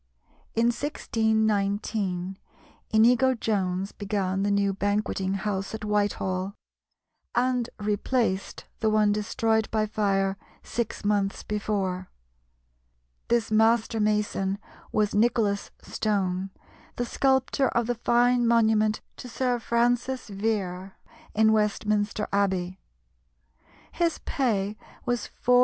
In 1619 Inigo Jones began the new Banqueting House at Whitehall, and replaced the one destroyed by fire six months before. This master mason was Nicholas Stone, the sculptor of the fine monument to Sir Francis Vere in Westminster Abbey. His pay was 4s.